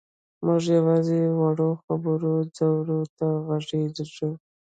موږ یوازې د وړو خلکو ځور ته غږېږو.